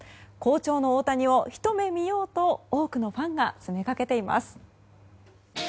好調の大谷をひと目見ようと多くのファンが詰めかけています。